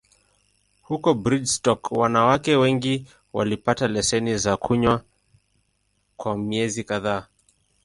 Huko Brigstock, wanawake wengine walipata leseni za kunywa kwa miezi kadhaa.